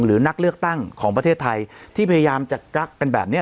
หรือนักเลือกตั้งของประเทศไทยที่พยายามจะกักกันแบบนี้